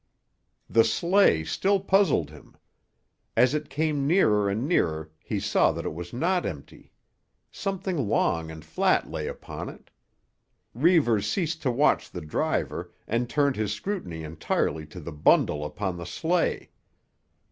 The sleigh still puzzled him. As it came nearer and nearer he saw that it was not empty. Something long and flat lay upon it. Reivers ceased to watch the driver and turned his scrutiny entirely to the bundle upon the sleigh.